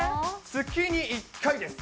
月に１回です。